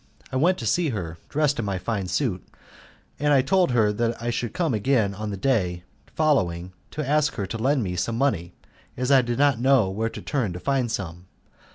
I went to see her, dressed in my fine suit, and I told her that I should come again on the day following to ask her to lend me some money, as I did not know where to turn to find some.